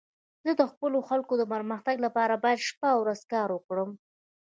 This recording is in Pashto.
زه د خپلو خلکو د پرمختګ لپاره باید شپه او ورځ کار وکړم.